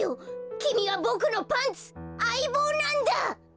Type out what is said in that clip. きみはボクのパンツあいぼうなんだ！